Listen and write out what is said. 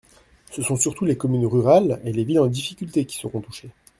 Ce sont surtout les communes rurales et les villes en difficulté qui seront touchées.